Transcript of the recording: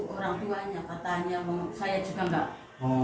orang tuanya katanya saya juga enggak